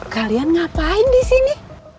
kalian ngapain disini